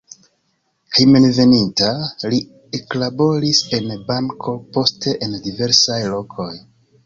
Hejmenveninta li eklaboris en banko, poste en diversaj lokoj.